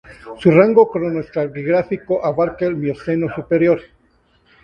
Su rango cronoestratigráfico abarca el Mioceno superior.